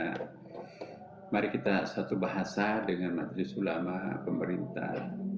nah mari kita satu bahasa dengan menteri sulamaha pemerintah